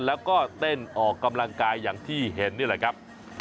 แล้วก็เต้นออกกำลังกายอย่างที่เห็นนี่แหละครับ